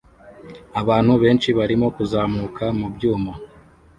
Abantu benshi barimo kuzamuka mubyuma